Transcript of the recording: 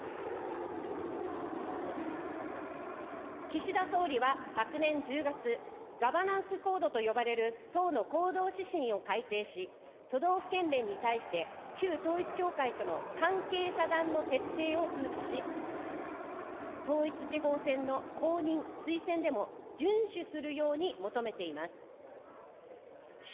岸田総理は昨年１０月、ガバナンス・コードと呼ばれる党の行動指針を改定し、都道府県連に対して、旧統一教会との関係遮断の徹底を通知し、統一地方選の公認・推薦でも順守するように求めています。